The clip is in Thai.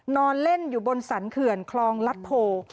นอนเล่นอยู่บนสรรเขื่อนคลองรัฐโพ